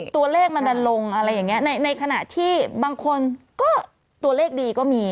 ตัวเลขมันดันลงอะไรอย่างนี้ในขณะที่บางคนก็ตัวเลขดีก็มี